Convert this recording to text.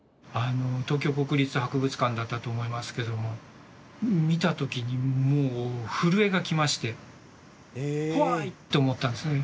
東京国立博物館だったと思いますけども見た時にもう震えが来まして怖いって思ったんですね。